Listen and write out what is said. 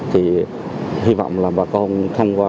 thì hy vọng là bà con thông qua